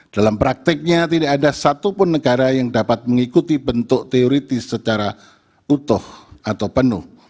dalam prakteknya tidak ada satupun negara yang dapat mengikuti bentuk teoritis secara utuh atau penuh